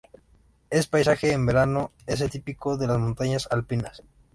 El paisaje en verano es el típico de las montañas alpinas.